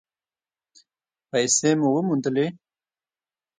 پیسې مو وموندلې؟